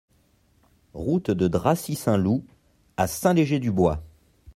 Route de Dracy Saint-Loup à Saint-Léger-du-Bois